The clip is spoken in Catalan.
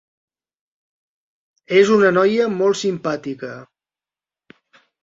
És una noia molt simpàtica.